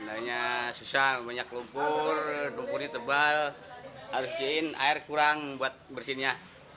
airnya susah banyak lumpur lumpurnya tebal harus dihijinkan air kurang buat bersihnya